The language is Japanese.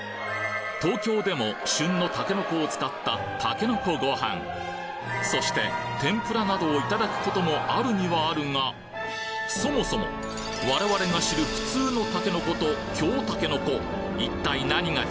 東京でも旬のたけのこを使ったそして天ぷらなどをいただくこともあるにはあるがそもそも我々が知る普通のたけのこと京たけのこ